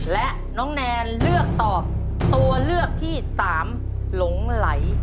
และน้องแนนเลือกตอบตัวเลือกที่๓หลงไหล